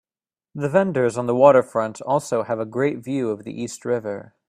The vendors on the waterfront also have a great view of the East River.